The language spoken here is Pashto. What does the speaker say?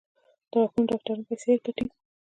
د غاښونو ډاکټران پیسې ګټي؟